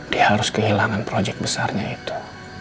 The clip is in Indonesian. dia harus kehilangan project besarnya itu